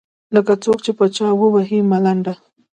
لکــــه څــوک چې په چـــا ووهي ملـــنډه.